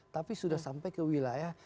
tapi sudah sampai ke wilayah